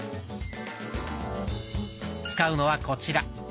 使うのはこちら。